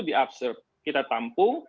diabsorb kita tampung